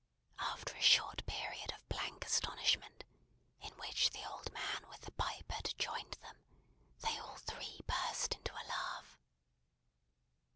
After a short period of blank astonishment, in which the old man with the pipe had joined them, they all three burst into a laugh.